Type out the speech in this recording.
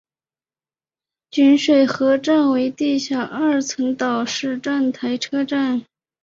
锦水河站为地下二层岛式站台车站。